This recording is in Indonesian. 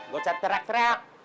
gua cak teriak teriak